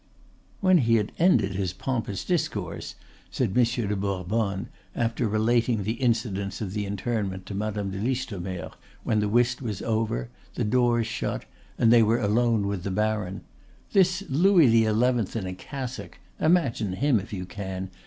"When he had ended his pompous discourse," said Monsieur de Bourbonne, after relating the incidents of the internment to Madame de Listomere when whist was over, the doors shut, and they were alone with the baron, "this Louis XI. in a cassock imagine him if you can!